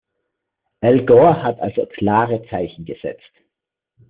Al Gore hat also klare Zeichen gesetzt.